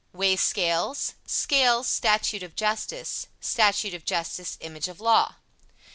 "Weigh scales." "Scales statue of justice." "Statue of Justice image of law."